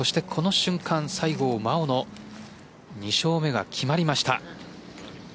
この瞬間、西郷真央の２勝目が決まりました。